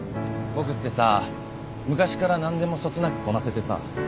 僕ってさ昔から何でもそつなくこなせてさ。